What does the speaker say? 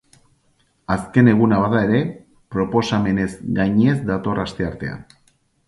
Azken eguna bada ere, proposamenez gainez dator asteartea.